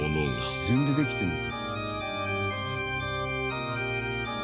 「自然にできてる？」